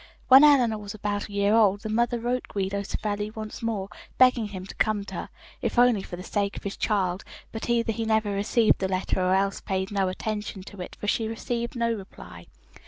"When Eleanor was about a year old, the mother wrote Guido Savelli once more, begging him to come to her, if only for the sake of his child, but either he never received the letter or else paid no attention to it, for she received no reply.